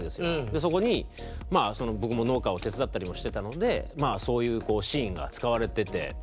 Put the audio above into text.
そこに僕も農家を手伝ったりもしてたのでそういうシーンが使われててっていう。